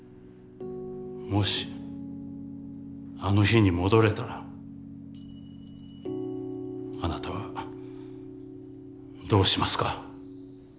もしあの日に戻れたらあなたはどうしますか？